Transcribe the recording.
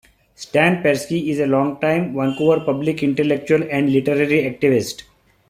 Stan Persky is a long-time Vancouver public intellectual and literary activist.